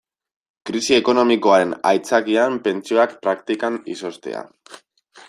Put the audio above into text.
Krisi ekonomikoaren aitzakian pentsioak praktikan izoztea.